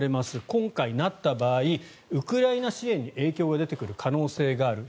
今回なった場合ウクライナ支援に影響が出てくる可能性がある。